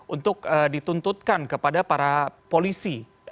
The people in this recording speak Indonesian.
untuk dituntutkan kepada para polisi